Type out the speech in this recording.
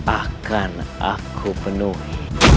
akan aku penuhi